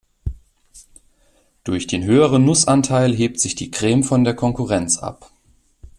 Durch den höheren Nussanteil hebt sich die Creme von der Konkurrenz ab.